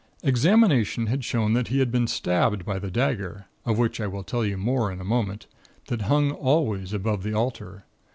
"Examination had shown that he had been stabbed by the dagger of which I will tell you more in a moment that hung always above the altar.